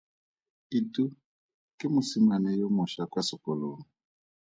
Itu ke mosimane yo mošwa kwa sekolong.